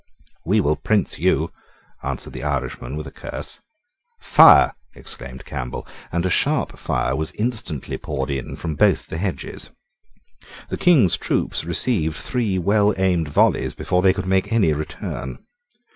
"We will prince you," answered the Irishman with a curse. "Fire!" exclaimed Campbell; and a sharp fire was instantly poured in from both the hedges. The King's troops received three well aimed volleys before they could make any return.